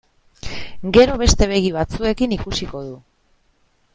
Gero beste begi batzuekin ikusiko du.